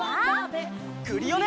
クリオネ！